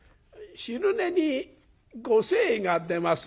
「昼寝にご精が出ますな」。